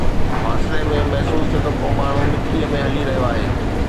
فاصلي ۾ محسوس ٿيو ته ڪو ماڻهو مٽيءَ ۾ هلي رهيو آهي.